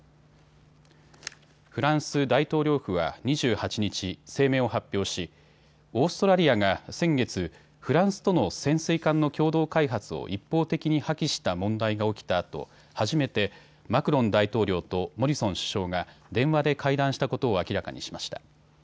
フランス大統領府は２８日、声明を発表し、オーストラリアが先月、フランスとの潜水艦の共同開発を一方的に破棄した問題が起きたあと初めてマクロン大統領とモリソン首相が電話で会談したことを明らかにしました。